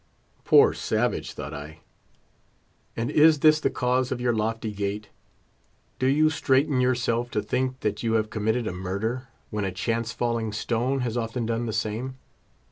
Poor savage thought I; and is this the cause of your lofty gait? Do you straighten yourself to think that you have committed a murder, when a chance falling stone has often done the same?